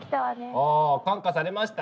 ああ感化されました？